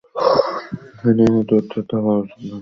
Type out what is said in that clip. এ নিয়ে মতভেদ থাকা উচিত না!